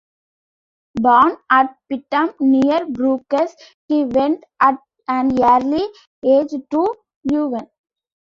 Born at Pittem near Bruges, he went at an early age to Leuven.